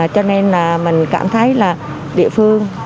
cho nên mình cảm thấy là địa phương